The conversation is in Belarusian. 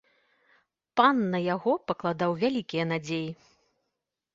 Пан на яго пакладаў вялікія надзеі.